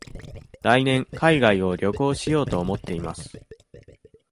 来年海外を旅行しようと思っています。